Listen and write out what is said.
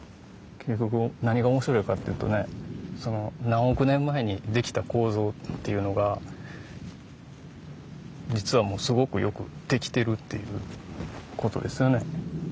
結局何が面白いかっていうとね何億年前に出来た構造っていうのが実はすごくよく出来てるっていう事ですよね。